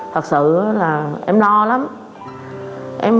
thật sự là em lo lắm